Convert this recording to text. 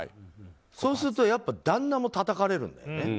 そうすると、やっぱ旦那もたたかれるんだよね。